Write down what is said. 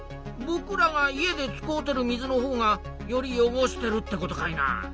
ぼくらが家で使うてる水のほうがより汚してるってことかいな。